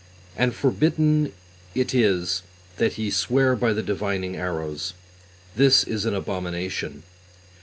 And (forbidden is it) that ye swear by the divining arrows. This is an abomination.